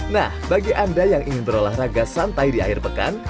nah bagi anda yang ingin berolahraga santai di akhir pekan